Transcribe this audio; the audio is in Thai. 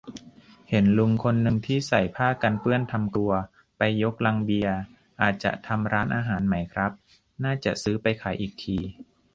เห็นลุงคนนึงที่ใส่ผ้ากันเปื้อนทำครัวไปยกลังเบียร์ อาจจะทำร้านอาหารไหมครับ น่าจะซื้อไปขายอีกที